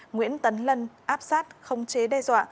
nguyễn tấn lân áp sát không chế đe dọa